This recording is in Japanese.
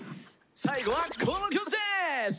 最後はこの曲です！